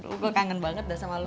gue kangen banget dah sama lo